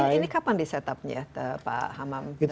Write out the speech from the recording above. ini kapan di setupnya pak hamam